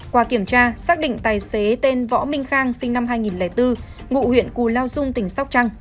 qua kiểm tra xác định tài xế tên võ minh khang sinh năm hai nghìn bốn ngụ huyện cù lao dung tỉnh sóc trăng